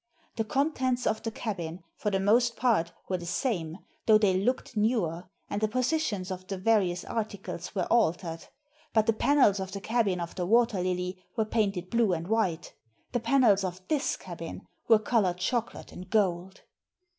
The contents of the cabin, for the most part, were the same, though they looked newer, and the positions of the various articles were altered ; but the panels of the cabin of the Water Lily were painted blue and white. The panels of this cabin were coloured chocolate and gold.